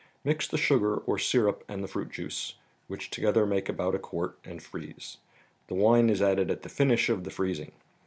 Mix the sugar, or syrup, and the fruit juice, which to¬ gether make about a quart, and freeze. The wine is added at the finish of the freezing.